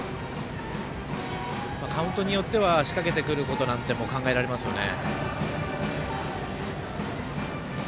カウントによっては仕掛けてくるなんてことも考えられますよね。